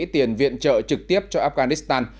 tiền viện trợ trực tiếp cho afghanistan